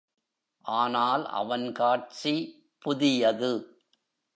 ஆனால் அவன் காட்சி புதியது.